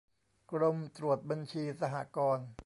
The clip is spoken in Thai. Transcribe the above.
กรมตรวจบัญชีสหกรณ์